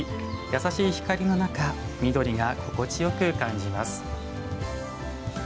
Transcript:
優しい光の中緑が心地よく感じます。